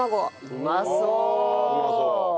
うまそう。